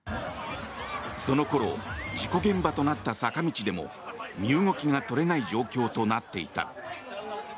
その頃事故現場となった坂道でも身動きが取れない状況となっていた。